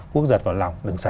quốc giật vào lòng